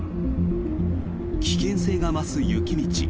危険性が増す雪道。